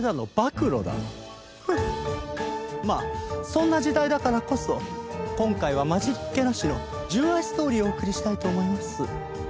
まあそんな時代だからこそ今回は混じりっけなしの純愛ストーリーをお送りしたいと思います。